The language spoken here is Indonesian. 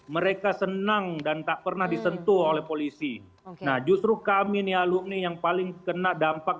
mereka senang dan tak pernah disentuh oleh polisi nah justru kami nih alumni yang paling kena dampak